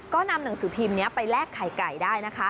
ก็นำหนังสือพิมพ์นี้ไปแลกไข่ไก่ได้นะคะ